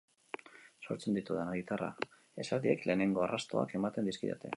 Sortzen ditudan gitarra esaldiek lehenengo arrastoak ematen dizkidate.